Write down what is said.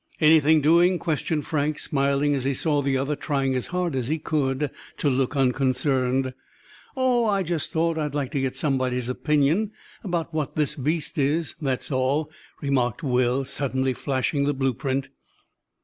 "Anything doing?" questioned Frank, smiling as he saw the other trying as hard as he could to look unconcerned. "Oh, I just thought I'd like to get somebody's opinion about what this beast is, that's all," remarked Will, suddenly flashing the blueprint.